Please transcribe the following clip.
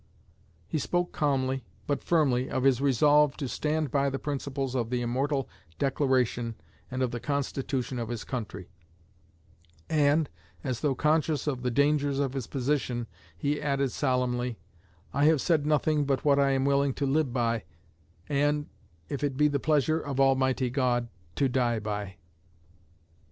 He spoke calmly but firmly of his resolve to stand by the principles of the immortal Declaration and of the Constitution of his country; and, as though conscious of the dangers of his position, he added solemnly: "I have said nothing but what I am willing to live by, and, if it be the pleasure of Almighty God, to die by."